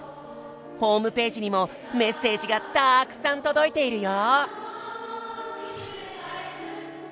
ホームページにもメッセージがたくさん届いているよ！